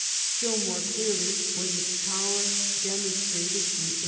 Still more clearly was its power demonstrated in 1828.